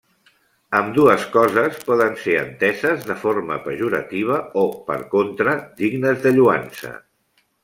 Ambdues coses poden ser enteses de forma pejorativa o, per contra, dignes de lloança.